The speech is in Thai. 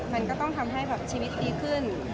มันก็ต้องทำให้แบบชีวิตดีขึ้น